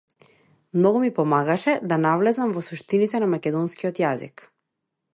Многу ми помагаше да навлезам во суштините на македонскиот јазик.